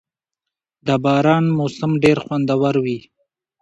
• د باران موسم ډېر خوندور وي.